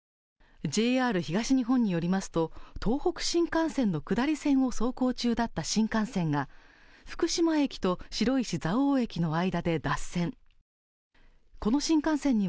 ＪＲ東日本によりますと、東北新幹線の下り線を走行中だった新幹線が福島駅と白石蔵王駅の間で脱線。